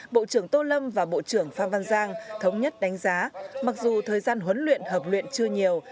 bộ trưởng tô lâm và bộ trưởng phan văn giang thống nhất đánh giá mặc dù thời gian huấn luyện hợp luyện chưa nhiều